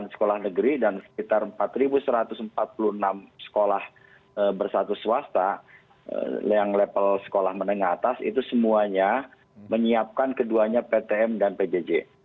sembilan sekolah negeri dan sekitar empat satu ratus empat puluh enam sekolah bersatu swasta yang level sekolah menengah atas itu semuanya menyiapkan keduanya ptm dan pjj